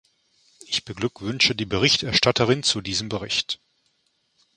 Ich beglückwünsche die Berichterstatterin zu diesem Bericht.